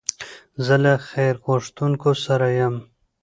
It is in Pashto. زه له خیر غوښتونکو سره یم.